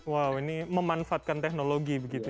wow ini memanfaatkan teknologi begitu ya